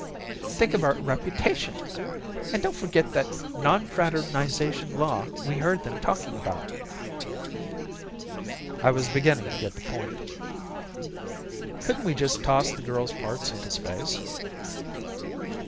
Think of our reputation! And don't forget that non fraternization law we heard them talking about." I was beginning to get the point. "Couldn't we just toss the girl's parts into space?"